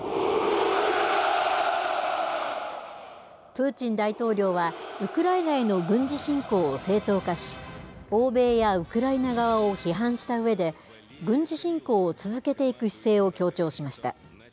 プーチン大統領は、ウクライナへの軍事侵攻を正当化し、欧米やウクライナ側を批判したうえで、軍事侵攻を続けていく姿勢を強調しました。